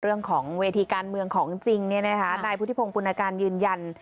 เรื่องของเวทีการเมืองของจริงนายพุทธิพงศ์ปุณการยืนยัน